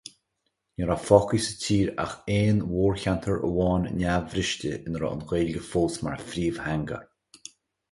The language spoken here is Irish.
Ní raibh fágtha sa tír ach aon mhórcheantar amháin neamhbhriste ina raibh an Ghaeilge fós mar phríomhtheanga.